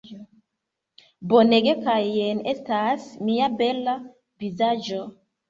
Bonege kaj jen estas mia bela vizaĝo